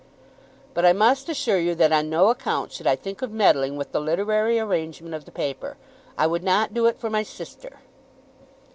"But I must assure you that on no account should I think of meddling with the literary arrangement of the paper. I would not do it for my sister."